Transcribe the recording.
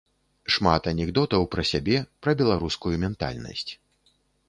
Шмат анекдотаў пра сябе, пра беларускую ментальнасць.